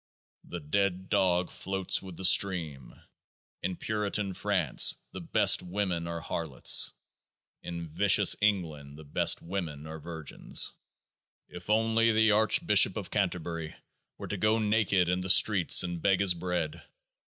The dead dog floats with the stream ; in puritan France the best women are harlots ; in vicious England the best women are virgins. 76 If only the Archbishop of Canterbury were to go naked in the streets and beg his bread